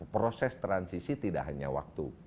proses transisi tidak hanya waktu